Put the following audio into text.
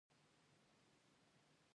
ما د هغې لاس ونیو او ډاډ مې ورکړ